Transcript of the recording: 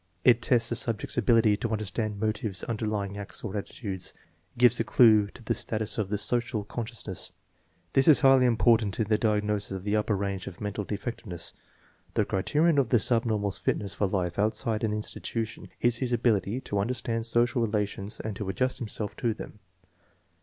It tests the subject's ability to understand motives underlying acts or attitudes. It gives a clue to the status of the social consciousness. This is highly important in the diagnosis of the upper range of mental defectiveness. The criterion of the subnormal's fitness for life outside an institution is his ability to under stand social relations and to adjust himself to them.